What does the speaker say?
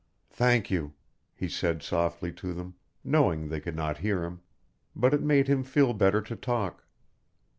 "Thank you," he said softly to them, knowing they could not hear him. But it made him feel better to talk.